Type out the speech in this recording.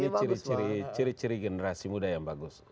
dan ini ciri ciri generasi muda yang bagus